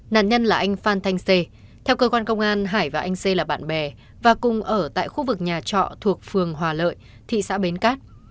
nạn nhân là anh phan thanh xê theo cơ quan công an hải và anh xê là bạn bè và cùng ở tại khu vực nhà trọ thuộc phường hòa lợi thị xã bến cát